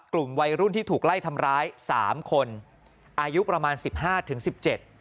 กลุ่มวัยรุ่นที่ถูกไล่ทำร้ายสามคนอายุประมาณสิบห้าถึงสิบเจ็ด